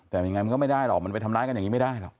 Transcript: แต่ยังไงมันก็ไม่ได้หรอกมันไปทำร้ายกันอย่างนี้ไม่ได้หรอก